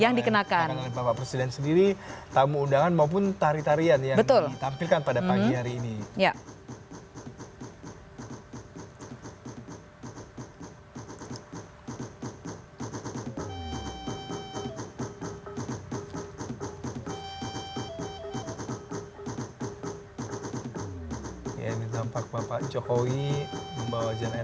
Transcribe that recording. yang dikenakan oleh bapak presiden sendiri tamu undangan maupun tari tarian yang ditampilkan pada pagi hari ini